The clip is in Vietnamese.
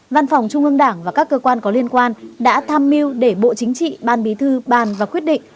văn phòng trung ương đảng và các cơ quan có liên quan đã tham mưu để bộ chính trị ban bí thư bàn và quyết định